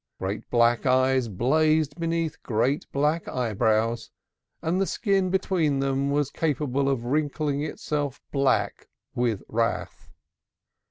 Great black eyes blazed beneath great black eyebrows, and the skin between them was capable of wrinkling itself black with wrath.